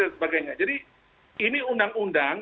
dan sebagainya jadi ini undang undang